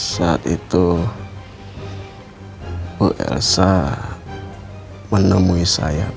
saat itu bu elsa menemui saya